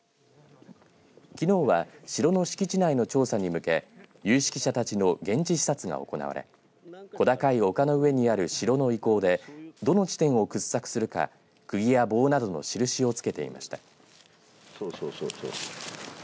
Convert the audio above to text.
きのうは城の敷地内の調査に向け有識者たちの現地視察が行われ小高い丘の上にある城の遺構でどの地点を掘削するかくぎや棒などの印をつけていました。